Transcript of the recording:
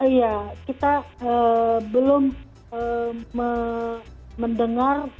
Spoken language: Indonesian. iya kita belum mendengar